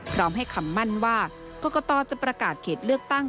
พร้อมให้คำมั่นว่ากรกตจะประกาศเขตเลือกตั้ง